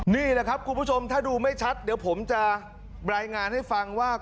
นี่แหละครับคุณผู้ชมถ้าดูไม่ชัดเดี๋ยวผมจะรายงานให้ฟังว่า